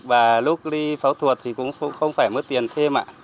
và lúc đi pháo thuật thì cũng không phải mất tiền mua thuốc